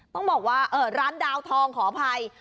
ต้องบอกว่าร้านดาวทองขออภัย